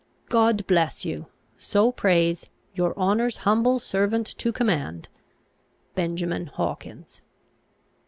"God bless you! So prays, Your honour's humble servant to command, BENJAMIN HAWKINS."